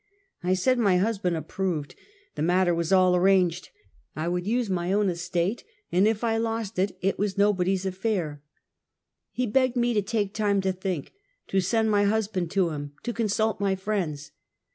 I said my husband approved, the matter was all arranged, I would use my own estate, and if I lost it, it was nobody's affair. He begged me to take time to think, to send my husband to him, to consult my friends.